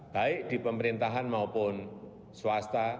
baik di pemerintahan maupun swasta